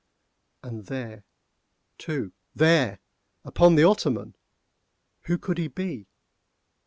And there, too!—there!—upon the ottoman!—who could he be?